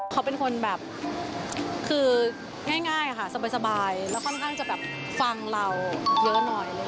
เขาเป็นคนแบบคือง่ายค่ะสบายแล้วค่อนข้างจะแบบฟังเราเยอะหน่อย